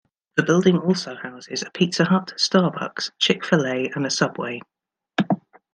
The building also houses a Pizza Hut, Starbucks, Chick-fil-A and a Subway.